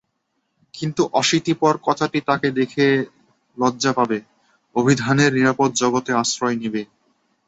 কিন্তু অশীতিপর কথাটি তাঁকে দেখে লজ্জা পাবে, অভিধানের নিরাপদ জগতে আশ্রয় নেবে।